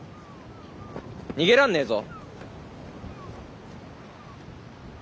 逃げらんねえぞ。